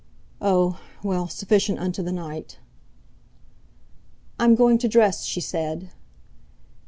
Oh! well, sufficient unto the night!' "I'm going to dress," she said.